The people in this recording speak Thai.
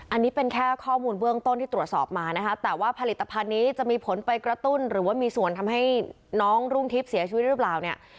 อันนี้เป็นแค่ข้อมูลเบื้องต้นที่ตรวจสอบมานะคะแต่ว่าผลิตภัณฑ์นี้จะมีผลไปกระตุ้นหรือว่ามีส่วนทำให้น้องรุ่งทิพย์เสียชีวิตหรือเปล่าเนี่ย